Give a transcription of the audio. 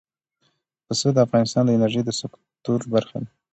پسه د افغانستان د انرژۍ د سکتور برخه ده.